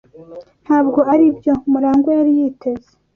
Ntabwo aribyo Murangwa yari yiteze.